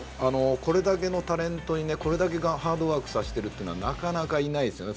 これだけのタレントにこれだけハードワークさせてるというのはなかなかいないですよね。